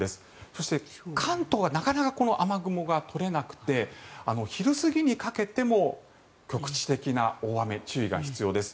そして、関東はなかなかこの雨雲が取れなくて昼過ぎにかけても局地的な大雨、注意が必要です。